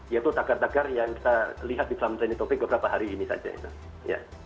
yaitu tagar tagar yang kita lihat di dalam seni topic beberapa hari ini saja